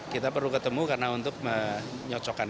kita perlu ketemu karena untuk menyocokkan